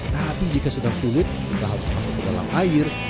tapi jika sedang sulit kita harus masuk ke dalam air